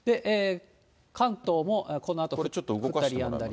関東もこのあと降ったりやんだり。